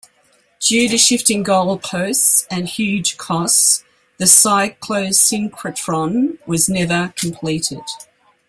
Due to shifting goalposts and huge costs the cyclo-synchrotron was never completed.